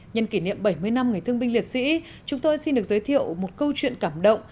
nhân kỷ niệm bảy mươi năm ngày thương binh liệt sĩ chúng tôi xin được giới thiệu một câu chuyện cảm động